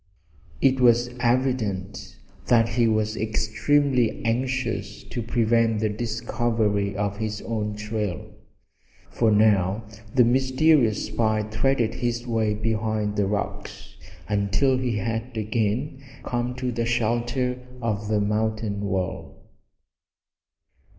It was evident that he was extremely anxious to prevent the discovery of his own trail, for now the mysterious spy threaded his way behind rocks until he had again come to the shelter of the mountain wall.